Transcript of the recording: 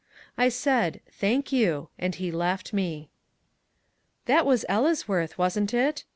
I said, "thank you," and he left me. "That was Ellesworth, wasn't it?"